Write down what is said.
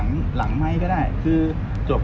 คุณพี่ตะเนื้อข่าว